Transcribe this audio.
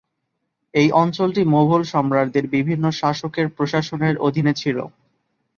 এই অঞ্চলটি মোগল সম্রাটদের বিভিন্ন শাসকের প্রশাসনের অধীনে ছিল।